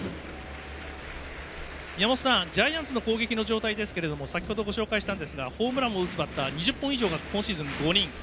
ジャイアンツの攻撃の状態ですが先ほどもご紹介したんですがホームランを打つバッター２０本以上が今シーズン５人。